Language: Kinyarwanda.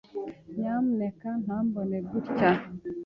Nyamuneka ntumbone gutya.